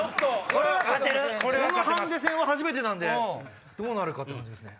そのハンデ戦は初めてなんでどうなるか⁉って感じですね。